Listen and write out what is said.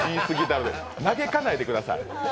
嘆かないでください。